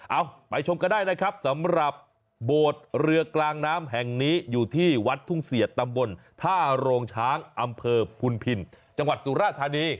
เอาไปชมก็ได้นะครับสำหรับโบสถ์เรือกลางน้ำแห่งนี้อยู่ที่วัดทุ่งเสียดตำบลท่าโรงช้างอำเภอพุนพินจังหวัดสุราธานี